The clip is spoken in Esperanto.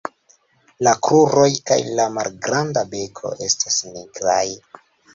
La kruroj kaj la malgranda beko estas nigraj.